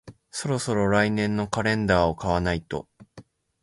そろそろ来年のカレンダーを買わないと